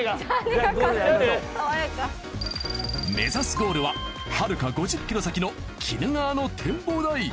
目指すゴールははるか５０ｋｍ先の鬼怒川の展望台。